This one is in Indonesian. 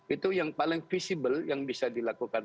itu yang paling visible yang bisa dilakukan